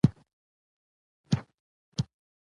هیټلر غوښتل چې امان الله خان له شمالي اړخه پوځي برید وکړي.